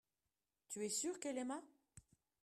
tu es sûr qu'elle aima.